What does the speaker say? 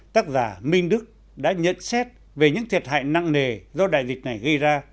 tác giả minh đức đã nhận xét về những thiệt hại nặng nề do đại dịch này gây ra